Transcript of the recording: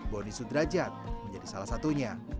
boni sudrajat menjadi salah satunya